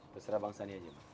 beserah bang sani aja bang